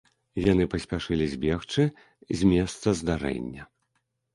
Яны паспяшылі збегчы з месца здарэння.